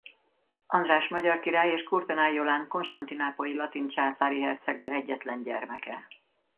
András magyar király és Courtenay Jolán konstantinápolyi latin császári hercegnő egyetlen gyermeke.